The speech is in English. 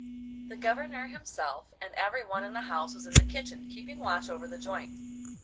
The Governor himself and every one in the house was in the kitchen, keeping watch over the joint.